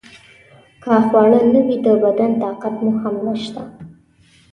که خواړه نه وي د بدن طاقت مو هم نشته.